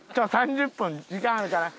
３０分時間あるから。